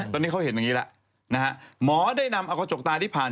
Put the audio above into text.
ตอนนี้เขาเห็นอย่างนี้แล้วนะฮะหมอได้นำเอากระจกตาที่ผ่าน